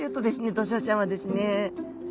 ドジョウちゃんはですねす